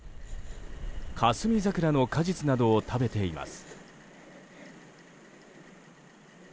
カスミザクラの果実などを食べています。